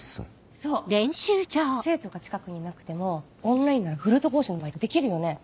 そう生徒が近くにいなくてもオンラインならフルート講師のバイトできるよね。